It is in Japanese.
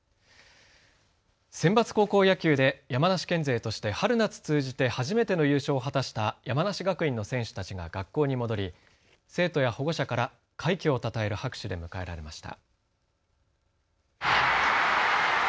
センバツ高校野球で山梨県勢として春夏通じて初めての優勝を果たした山梨学院の選手たちが学校に戻り生徒や保護者から快挙をたたえる拍手で迎えられました。